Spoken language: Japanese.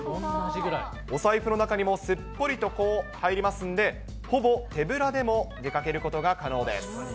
お財布の中にもすっぽりと入りますんで、ほぼ手ぶらでも出かけることが可能です。